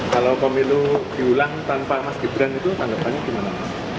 kalau pemilu diulang tanpa mas gibran itu tanggapannya gimana